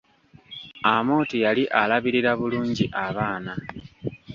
Amooti yali alabirira bulungi abaana.